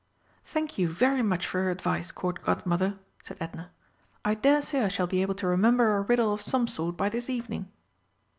"Thank you very much for your advice, Court Godmother," said Edna. "I daresay I shall be able to remember a riddle of some sort by this evening."